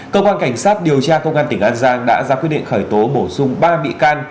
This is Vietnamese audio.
cơ quan cảnh sát điều tra công an tỉnh an giang đã ra quyết định khởi tố bổ sung ba bị can